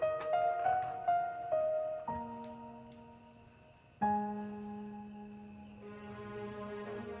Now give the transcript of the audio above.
pokoknya jangan lupa kang